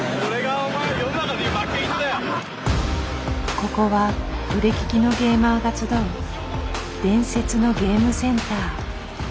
ここは腕利きのゲーマーが集う伝説のゲームセンター。